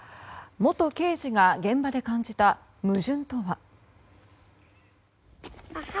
元刑事が現場で感じた矛盾とは。